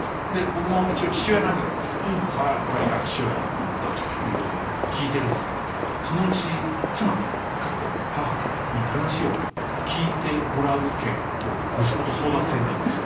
僕も一応父親なわけだからそれはこれはいかん父親だという事で聞いてるんですけどそのうち妻カッコ母に話を聞いてもらう権を息子と争奪戦になるんです。